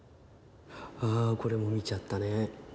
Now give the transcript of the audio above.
あこれも見ちゃったね。